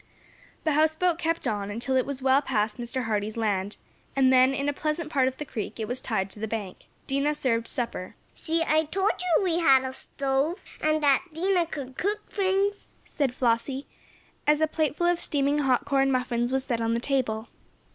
The houseboat kept on, until it was well past Mr. Hardee's land, and then, in a pleasant part of the creek, it was tied to the bank. Dinah served supper. "See! I told you we had a stove, and that Dinah could cook things," said Flossie, as a plate full of steaming hot corn muffins was set on the table.